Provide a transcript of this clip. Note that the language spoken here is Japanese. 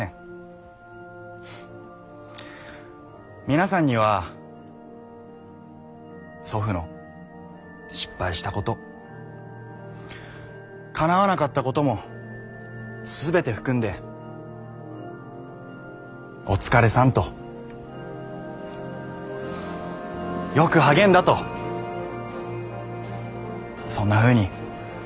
皆さんには祖父の失敗したことかなわなかったことも全て含んで「お疲れさん」と「よく励んだ」とそんなふうに渋沢栄一を思い出していただきたい。